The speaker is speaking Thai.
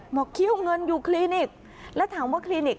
เคี้ยวเงินอยู่คลินิกแล้วถามว่าคลินิก